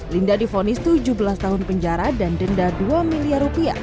linda di vonis tujuh belas tahun penjara dan denda dua miliar rupiah